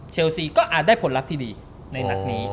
ซีก็อาจได้ผลลัพธ์ที่ดีในนัดนี้